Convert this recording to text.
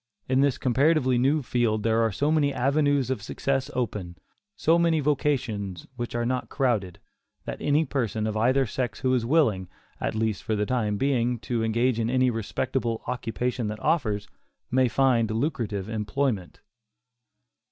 In this comparatively new field there are so many avenues of success open, so many vocations which are not crowded, that any person of either sex who is willing, at least for the time being, to engage in any respectable occupation that offers, may find lucrative employment.